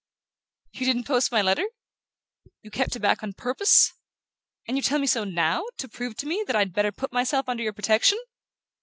"You didn't post my letter? You kept it back on purpose? And you tell me so NOW, to prove to me that I'd better put myself under your protection?"